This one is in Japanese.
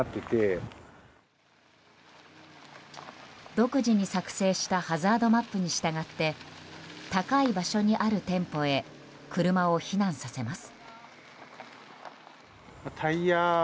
独自に作成したハザードマップに従って高い場所にある店舗へ車を避難させます。